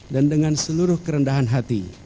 dan dengan seluruh kerendahan hati